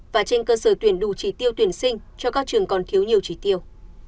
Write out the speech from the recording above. và trên cơ sở tuyển đủ trí tiêu tuyển sinh cho các trường còn thiếu nhiều trí tiêu